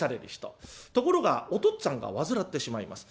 ところがお父っつぁんが患ってしまいます。